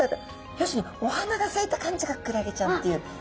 要するにお花がさいた感じがクラゲちゃんっていう感じですかね。